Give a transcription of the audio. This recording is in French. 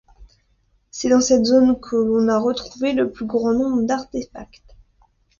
C'est dans cette zone que l'on a retrouvé le plus grand nombre d'artéfacts.